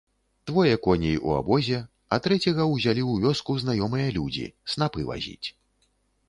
Двое коней у абозе, а трэцяга ўзялі ў вёску знаёмыя людзі снапы вазіць.